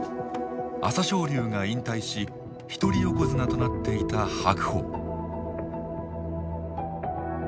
朝青龍が引退し一人横綱となっていた白鵬。